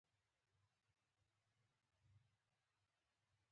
سیکهان نه ماتېدونکی قوت دی.